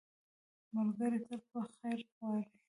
ملګری تل په خیر غواړي